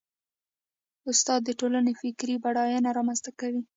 استاد د ټولنې فکري بډاینه رامنځته کوي.